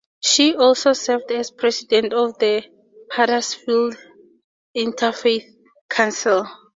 She also served as president of the Huddersfield Interfaith Council.